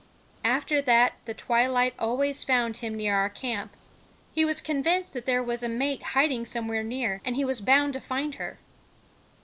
After that the twilight always found him near our camp. He was convinced that there was a mate hiding somewhere near, and he was bound to find her.